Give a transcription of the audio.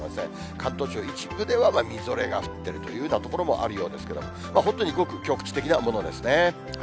関東地方、一部では、みぞれが降っているというような所もあるようですけれども、本当にごく局地的なものですね。